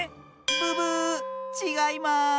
ブブーッちがいます！